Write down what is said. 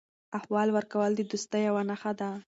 احوال ورکول د دوستۍ یوه نښه ده.